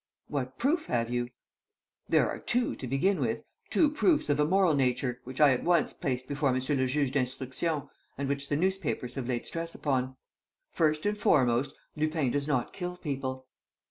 "What proof have you?" "There are two, to begin with, two proofs of a moral nature, which I at once placed before Monsieur le Juge d'Instruction and which the newspapers have laid stress upon. First and foremost, Lupin does not kill people.